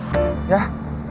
dek can malah